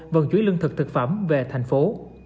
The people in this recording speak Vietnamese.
vận chuyển lương thực thực phẩm về thành phố